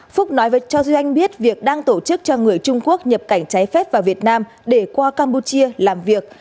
phúc nói với cho duy anh biết việc đang tổ chức cho người trung quốc nhập cảnh trái phép vào việt nam để qua campuchia làm việc